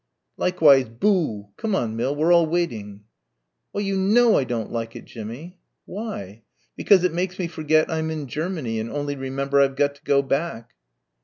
'" "Likewise 'Boo!' Come on, Mill, we're all waiting." "Well, you know I don't like it, Jimmie." "Why?" "Because it makes me forget I'm in Germany and only remember I've got to go back."